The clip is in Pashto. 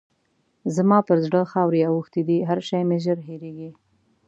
زما پر زړه خاورې اوښتې دي؛ هر شی مې ژر هېرېږي.